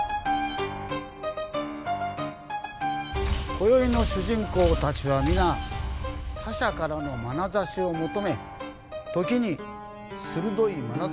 こよいの主人公たちは皆他者からのまなざしを求め時に鋭いまなざしを送ります。